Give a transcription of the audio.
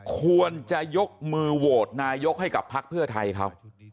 ควรจะยกมือโหวตนายกให้กับพักเพื่อไทยเขา